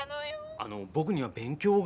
あの僕には勉強が。